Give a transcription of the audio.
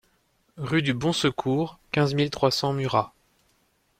Rue du Bon Secours, quinze mille trois cents Murat